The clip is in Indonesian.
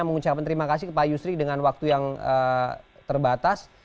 mengucapkan terima kasih ke pak yusri dengan waktu yang terbatas